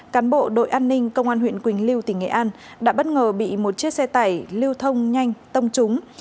cán bộ đội an ninh công an huyện quỳnh lưu tỉnh nghệ an đã bất ngờ bị một chiếc xe tải lưu thông nhanh tông trúng